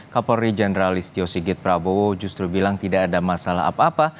kapolri jenderal istio sigit prabowo justru bilang tidak ada masalah apa apa